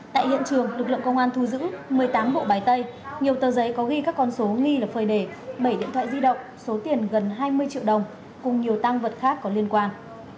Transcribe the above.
tại hiện trường lực lượng công an thu giữ một mươi tám bộ bài tay nhiều tờ giấy có ghi các con số nghi là phơi đề bảy điện thoại di động số tiền gần hai mươi triệu đồng cùng nhiều tăng vật khác có liên quan